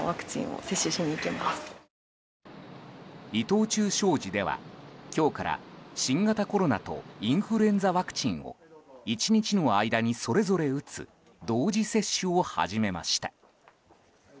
伊藤忠商事では今日から新型コロナとインフルエンザワクチンを１日の間にそれぞれ打つ同時接種を始めました。